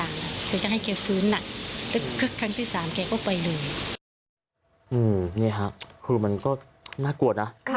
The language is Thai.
ไงคุณฮะคุณมันก็น่ากลัวนะ